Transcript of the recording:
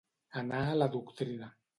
Anar a la doctrina.